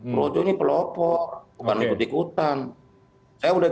projo ini pelopor bukan ikut ikutan